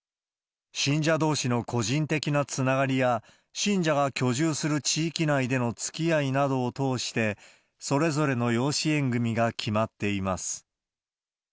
信者どうしの個人的なつながりや、信者が居住する地域内でのつきあいなどを通して、それぞれの養子縁組みが決まっています。